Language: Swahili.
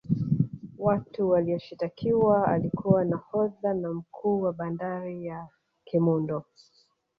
watu Waliyoshitakiwa alikuwa nahodha na mkuu wa bandari ya kemondo